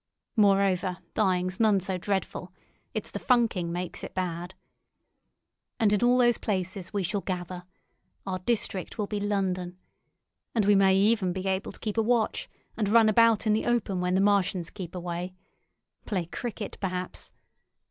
Moreover, dying's none so dreadful; it's the funking makes it bad. And in all those places we shall gather. Our district will be London. And we may even be able to keep a watch, and run about in the open when the Martians keep away. Play cricket, perhaps.